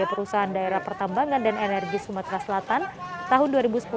perusahaan daerah pertambangan dan energi sumatera selatan tahun dua ribu sepuluh dua ribu enam belas